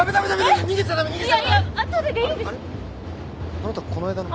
あなたこの間の。